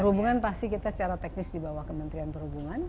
perhubungan pasti kita secara teknis dibawah kementerian perhubungan